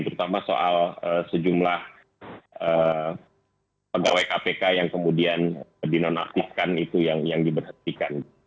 terutama soal sejumlah pegawai kpk yang kemudian dinonaktifkan itu yang diberhentikan